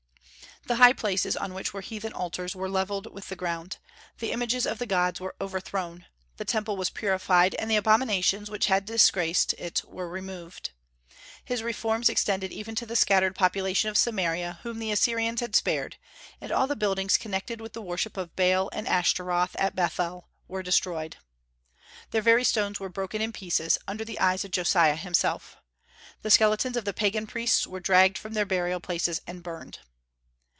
The "high places," on which were heathen altars, were levelled with the ground; the images of the gods were overthrown; the Temple was purified, and the abominations which had disgraced it were removed. His reforms extended even to the scattered population of Samaria whom the Assyrians had spared, and all the buildings connected with the worship of Baal and Astaroth at Bethel were destroyed. Their very stones were broken in pieces, under the eyes of Josiah himself. The skeletons of the pagan priests were dragged from their burial places and burned.